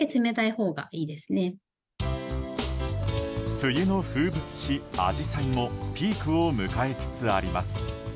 梅雨の風物詩アジサイもピークを迎えつつあります。